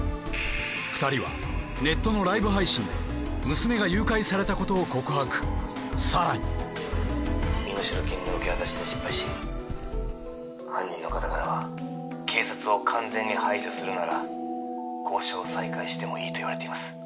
２人はネットのライブ配信で娘が誘拐されたことを告白さらに身代金の受け渡しで失敗し犯人の方からは警察を完全に排除するなら交渉を再開してもいいと言われています